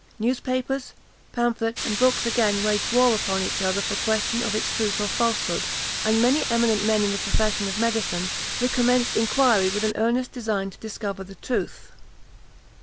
Newspapers, pamphlets, and books again waged war upon each other on the question of its truth or falsehood; and many eminent men in the profession of medicine recommenced inquiry with an earnest design to discover the truth.